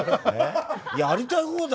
やりたい放題だな。